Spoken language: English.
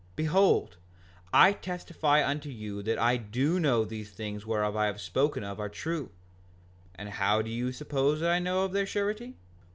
Behold, I testify unto you that I do know that these things whereof I have spoken are true. And how do ye suppose that I know of their surety?